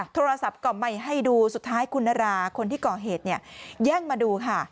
โทรศัพท์กล่อไม่ให้ดูสุดท้ายคุณราคนที่ก่อเหตุแย่งมาดู